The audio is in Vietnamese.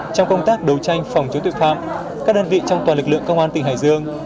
trong công tác đấu tranh phòng chống tội phạm các đơn vị trong toàn lực lượng công an tỉnh hải dương